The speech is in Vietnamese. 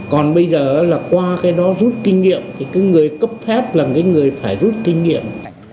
còn bây giờ là qua cái đó rút kinh nghiệm thì cái người cấp phép là cái người phải rút kinh nghiệm